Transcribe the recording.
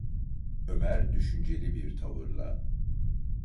Ömer düşünceli bir tavırla: